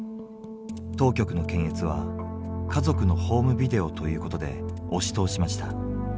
当局の検閲は家族のホームビデオということで押し通しました。